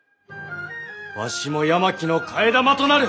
わしも八巻の替え玉となる！